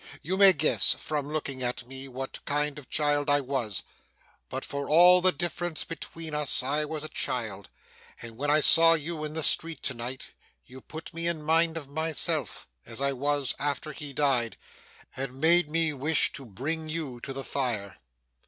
You may guess, from looking at me, what kind of child I was, but for all the difference between us I was a child, and when I saw you in the street to night, you put me in mind of myself, as I was after he died, and made me wish to bring you to the fire.